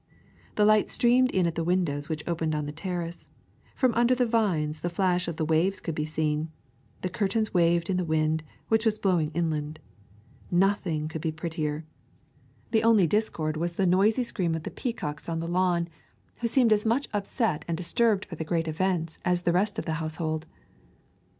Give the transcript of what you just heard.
The light streamed in at the windows which opened on the terrace, from under the vines the flash of the waves could be seen, the curtains waved in the wind, which was blowing inland. Nothing could be prettier; the only discord was the noisy scream of the peacocks on the lawn, who seemed as much upset and disturbed by the great event as the rest of the household.